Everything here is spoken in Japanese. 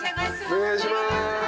お願いします。